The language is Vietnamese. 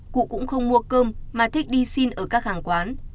cụ cũng không mua cơm mà thích đi xin ở các hàng quán